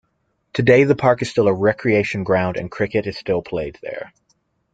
Today the park is still a recreation ground and cricket is still played there.